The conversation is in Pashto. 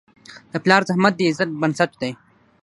د پلار زحمت د عزت بنسټ دی.